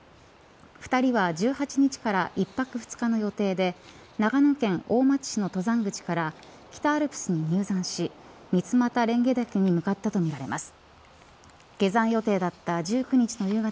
２人は１８日から１泊２日の予定で長野県大町市の登山口から北アルプスに入山し三俣蓮華岳に向かったとみられます。